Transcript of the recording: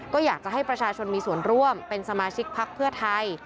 ก็อยากจะให้ประชาชนมีส่วนร่วมเป็นสมาชิกพักเพื่อไทย